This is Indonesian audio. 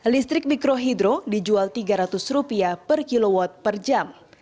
listrik mikrohidro dijual tiga ratus per kilowatt per jam